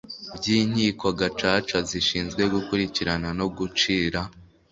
by Inkiko Gacaca zishinzwe gukurikirana no gucira